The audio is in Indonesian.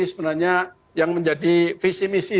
sebenarnya yang menjadi visi misi